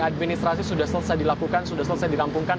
administrasi sudah selesai dilakukan sudah selesai dirampungkan